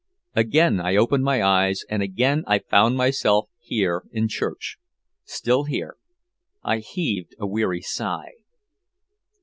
Again I opened my eyes and again I found myself here in church. Still here. I heaved a weary sigh.